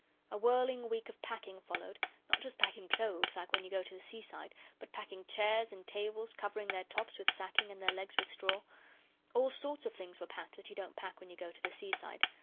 A whirling week of packing followed not just packing clothes, like when you go to the seaside, but packing chairs and tables, covering their tops with sacking and their legs with straw. All sorts of things were packed that you don't pack when you go to the seaside.